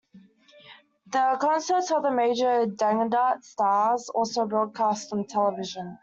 The concerts of major dangdut stars are also broadcast on television.